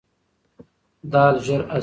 دال ژر هضمیږي.